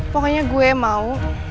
pokoknya gue mau